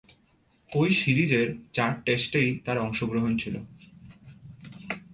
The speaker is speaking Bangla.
ঐ সিরিজের চার টেস্টেই তার অংশগ্রহণ ছিল।